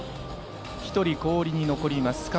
１人、氷に残ります